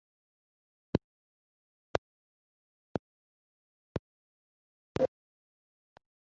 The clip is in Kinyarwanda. Icyo gihe abagize Inteko bitoramo Perezida w inama